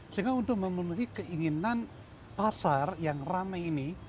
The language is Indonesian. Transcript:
sehingga untuk memenuhi keinginan pasar yang ramai ini